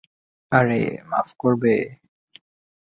আরে, মাফ করবে!